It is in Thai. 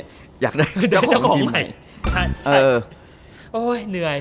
อยากได้เจ้าของใหม่คุณจะได้เจ้าของใหม่โอ้ยเหนื่อย